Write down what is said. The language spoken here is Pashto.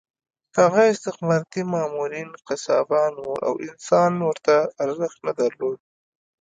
هغه استخباراتي مامورین قصابان وو او انسان ورته ارزښت نه درلود